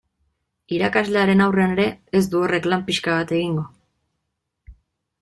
Irakaslearen aurrean ere ez du horrek lan pixka bat egingo.